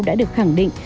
đã được khẳng định